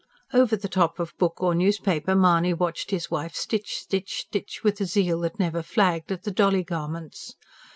Over the top of book or newspaper Mahony watched his wife stitch, stitch, stitch, with a zeal that never flagged, at the dolly garments.